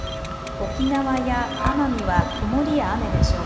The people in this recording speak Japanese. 沖縄や奄美は曇りや雨でしょう。